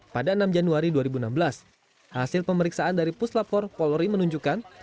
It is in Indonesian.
pada enam januari dua ribu enam belas hasil pemeriksaan dari puslapor polri menunjukkan